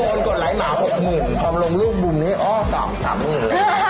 โมนกดไลก์หมา๖หมื่นพอลงรูปบูมนี้อ้อ๒๓หมื่นเลย